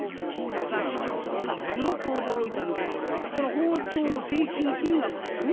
もっと驚いたのがその包丁の請求金額ですわ。